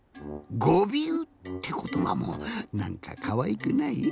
ごびゅうってことばもなんかかわいくない？